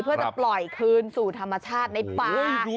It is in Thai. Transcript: เพื่อจะปล่อยคืนสู่ธรรมชาติในป่า